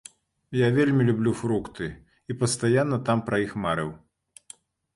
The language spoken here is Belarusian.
Я вельмі люблю фрукты і пастаянна там пра іх марыў.